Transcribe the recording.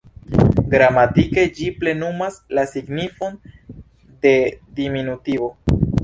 Gramatike ĝi plenumas la signifon de diminutivo.